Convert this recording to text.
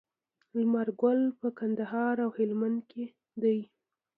لمر ګل په کندهار او هلمند کې دی.